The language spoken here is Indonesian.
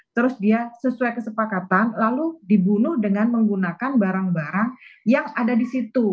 terus dia sesuai kesepakatan lalu dibunuh dengan menggunakan barang barang yang ada di situ